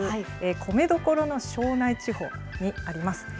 米どころの庄内地方にあります。